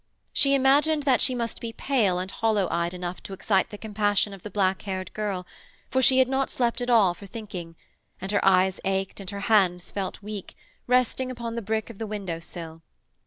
She imagined that she must be pale and hollow eyed enough to excite the compassion of the black haired girl, for she had not slept at all for thinking, and her eyes ached and her hands felt weak, resting upon the brick of the window sill.